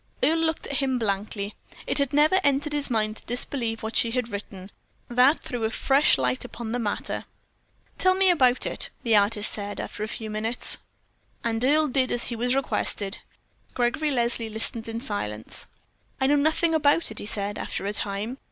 Earle looked at him blankly. It had never entered his mind to disbelieve what she had written. That threw a fresh light upon the matter. "Tell me all about it," the artist said, after a few minutes. And Earle did as he was requested. Gregory Leslie listened in silence. "I know nothing about it," he said, after a time.